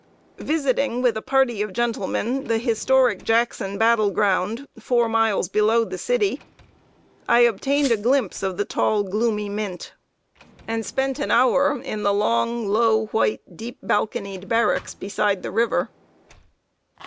Visiting, with a party of gentlemen, the historic Jackson battle ground, four miles below the city, I obtained a glimpse of the tall, gloomy Mint, and spent an hour in the long, low, white, deep balconied barracks beside the river.